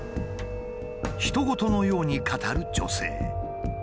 ひと事のように語る女性。